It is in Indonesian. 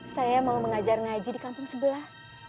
saya mau mengajar ngaji di kampung sebelah